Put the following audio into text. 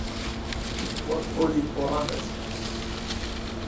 وەک پۆلی پۆڕان دەچن